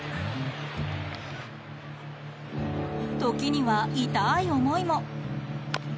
時には痛い思いも。